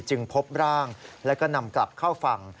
พบร่างแล้วก็นำกลับเข้าฝั่ง